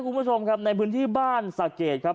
คุณผู้ชมครับในพื้นที่บ้านสะเกดครับ